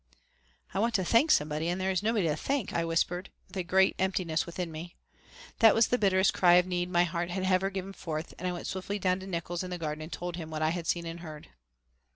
"I want to thank somebody and there is nobody to thank," I whispered, with a great emptiness within me. That was the bitterest cry of need my heart had ever given forth, and I went swiftly down to Nickols in the garden and told him what I had seen and heard.